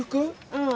うん。